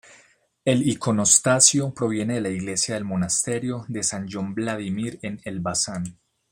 El iconostasio proviene de la iglesia del monasterio de san John Vladimir en Elbasan.